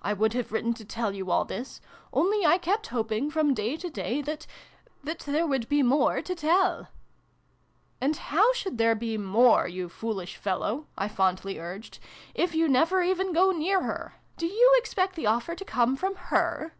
I would have written to tell you all this : only I kept hoping from day to day, that that there would be more to tell !"" And how should there be more, you foolish fellow," I fondly urged, " if you never even go near her ? Do you expect the offer to come from her